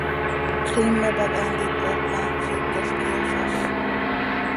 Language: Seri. Xiime pac haa ntitat ma, ziicalc quih iyozáz.